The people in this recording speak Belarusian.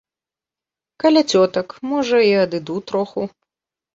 Каля цётак, можа, і адыду троху.